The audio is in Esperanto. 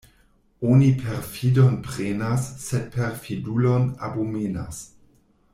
Oni perfidon prenas, sed perfidulon abomenas.